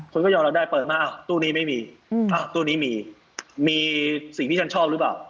คนก็ยอมรับได้เปิดมาตู้นี้ไม่มีตู้นี้มีมีสิ่งที่ฉันชอบหรือเปล่า